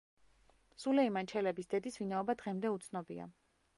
სულეიმან ჩელების დედის ვინაობა დღემდე უცნობია.